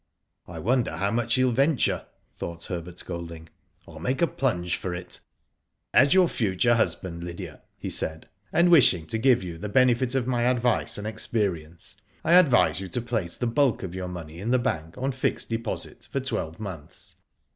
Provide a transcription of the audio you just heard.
*'I wonder how much sheMl venture," thought Herbert Golding. ^MMl mak^ a plunge for it. As your future husband, Lydia," he said, "and wishing to give you the benefit of my advice and experience, I advise you to place the bulk of your money in the bank on fixed deposit for twelve months.